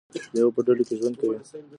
لیوه په ډلو کې ژوند کوي